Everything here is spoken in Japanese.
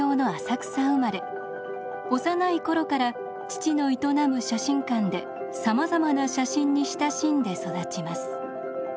幼い頃から父の営む写真館でさまざまな写真に親しんで育ちます。